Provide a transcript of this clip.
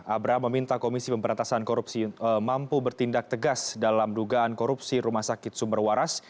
abraham meminta komisi pemberantasan korupsi mampu bertindak tegas dalam dugaan korupsi rumah sakit sumber waras